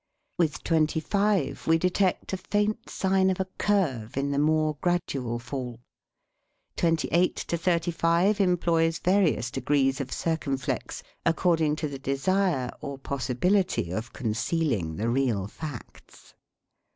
With twenty five we detect a faint sign of a curve in the more gradual fall. Twenty eight to thirty five em 57 THE SPEAKING VOICE ploys various degrees of circumflex, accord ing to the desire or possibility of con cealing the real facts.